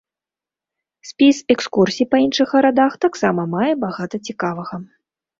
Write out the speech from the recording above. Спіс экскурсій па іншых гарадах таксама мае багата цікавага.